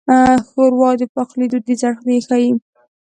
ښوروا د پخلي دودیز اړخ ښيي.